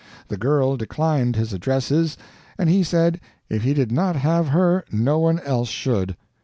The girl declined his addresses, and he said if he did not have her no one else should.